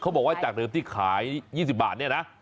บอกว่าจากเดิมที่ขาย๒๐บาทเนี่ยนะ